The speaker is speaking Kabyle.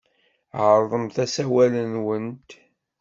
Ɛerḍemt asawal-nwent.